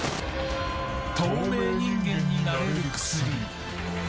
透明人間になれる薬！